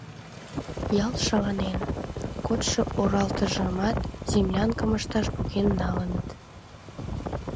Ял шаланен, кодшо оралтыжымат землянкым ышташ поген налыныт.